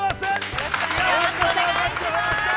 よろしくお願いします。